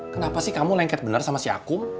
kenapa kamu lengket benar sama si akum